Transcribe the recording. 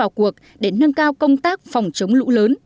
vào cuộc để nâng cao công tác phòng chống lũ lớn